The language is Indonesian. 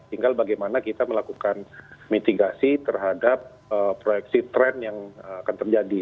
tinggal bagaimana kita melakukan mitigasi terhadap proyeksi tren yang akan terjadi